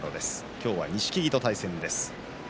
今日は錦木との対戦です。